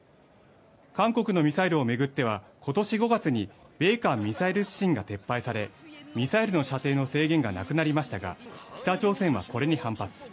韓国のミサイルを巡っては、今年５月に米韓ミサイル指針が撤廃されミサイルの射程の制限がなくなりましたが北朝鮮はこれに反発。